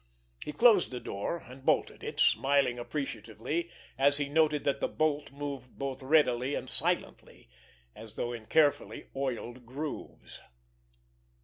He closed the door, and bolted it, smiling appreciatively as he noted that the bolt moved both readily and silently, as though in carefully oiled grooves.